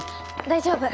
大丈夫。